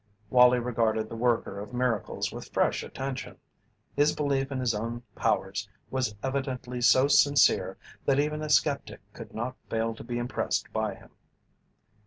Wallie regarded the worker of miracles with fresh attention. His belief in his own powers was evidently so sincere that even a skeptic could not fail to be impressed by him.